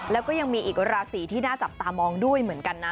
แล้วก็ยังมีอีกราศีที่น่าจับตามองด้วยเหมือนกันนะ